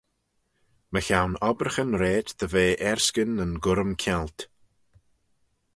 Mychione obbraghyn rait dy ve erskyn nyn gurrym-kianglt.